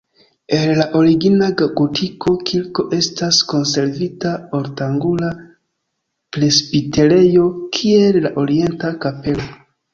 El la origina gotika kirko estas konservita ortangula presbiterejo kiel la orienta kapelo.